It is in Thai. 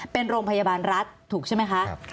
เป็นโรงพยาบาลรัฐถูกใช่ไหมคะ